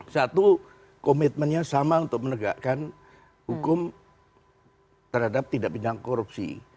satu komitmennya sama untuk menegakkan hukum terhadap tindak bidang korupsi